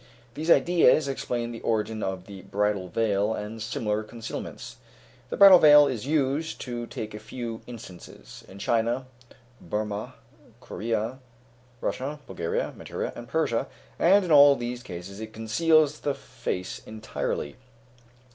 These ideas explain the origin of the bridal veil and similar concealments. The bridal veil is used, to take a few instances, in China, Burmah, Corea, Russia, Bulgaria, Manchuria, and Persia, and in all these cases it conceals the face entirely."